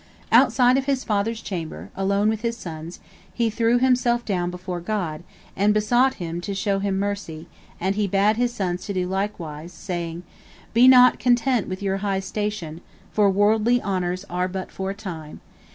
Outside of his father's chamber, alone with his sons, he threw himself down before God and besought Him to show him mercy, and he bade his sons do likewise, saying, "Be not content with your high station, for worldly honors are but for a time.